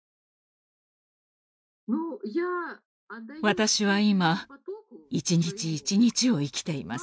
私は今一日一日を生きています。